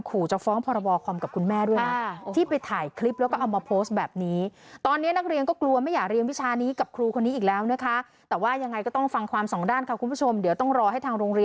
ของคนที่เป็นครูค่ะ